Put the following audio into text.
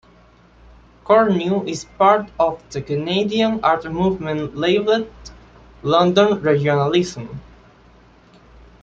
Curnoe is part of the Canadian art movement labeled London Regionalism.